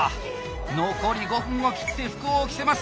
残り５分を切って服を着せます！